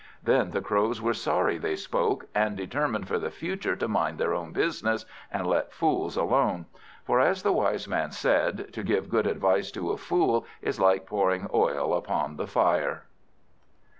Then the Crows were sorry they spoke, and determined for the future to mind their own business, and let fools alone. For, as the wise man said, "To give good advice to a fool is like pouring oil upon the fire."